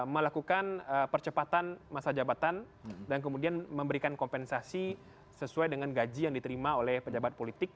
melakukan percepatan masa jabatan dan kemudian memberikan kompensasi sesuai dengan gaji yang diterima oleh pejabat politik